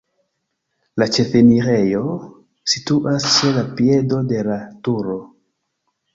La ĉefenirejo situas ĉe la piedo de la turo.